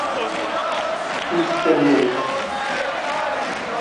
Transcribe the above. پوست موز